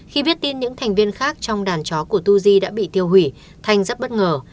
khi biết tin những thành viên khác trong đàn chó của tu di đã bị tiêu hủy thanh rất bất ngờ